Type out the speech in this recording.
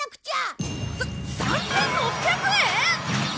さ３６００円！？